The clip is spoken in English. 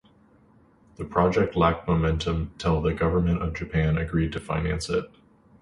The project lacked momentum till the government of Japan agreed to finance it.